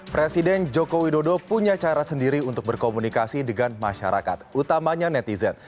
presiden joko widodo punya cara sendiri untuk berkomunikasi dengan masyarakat utamanya netizen